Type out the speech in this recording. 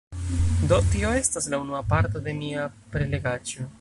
Do tio estas la unua parto de mia prelegaĉo